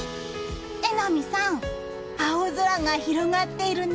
榎並さん、青空が広がっているね。